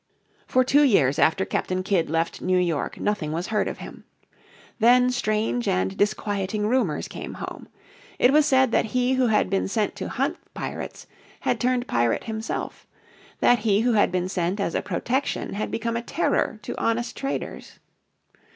For two years after Captain Kidd left New York nothing was heard of him. Then strange and disquieting rumours came home. It was said that he who had been sent to hunt pirates had turned pirate himself; that he who had been sent as a protection had become a terror to honest traders.